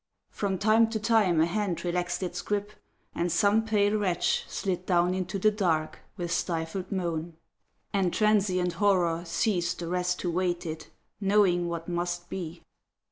From time to time a hand relaxed its grip, And some pale wretch slid down into the dark With stifled moan, and transient horror seized The rest who waited, knowing what must be.